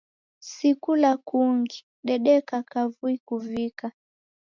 Si kula kungi, dedeka kavui kuvika.